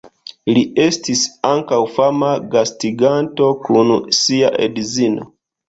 Li estis ankaŭ fama gastiganto kun sia edzino.